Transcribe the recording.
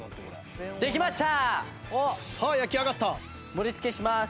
盛りつけします。